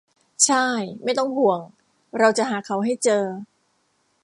ช่าย ไม่ต้องห่วง เราจะหาเขาให้เจอ